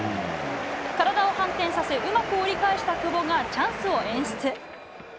体を反転させうまく折り返した久保がチャンスを演出。